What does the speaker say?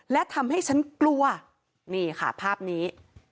และทำให้ฉันกลัวนี่ค่ะภาพนี้